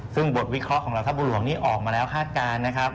ซึ่งบทวิเคราะห์ของเหล่าทัพบุหลวงนี่ออกมาแล้วคาดการณ์นะครับ